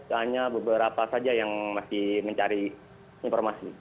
hanya beberapa saja yang masih mencari informasi